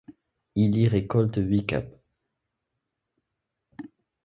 Il y récolte huit capes.